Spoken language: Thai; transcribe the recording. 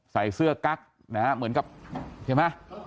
ใส่เสื้อกั๊กนะฮะเหมือนกับใช่ไหม